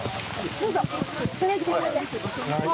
どうぞ。